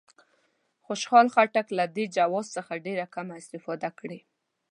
خوشحال خان خټک له دې جواز څخه ډېره کمه استفاده کړې.